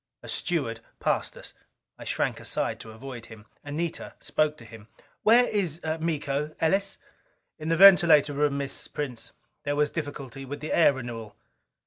A steward passed us. I shrank aside to avoid him. Anita spoke to him. "Where is Miko, Ellis?" "In the ventilator room, Miss. Prince. There was difficulty with the air renewal."